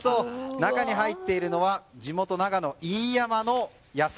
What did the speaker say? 中に入っているのは地元の長野・飯山の野菜。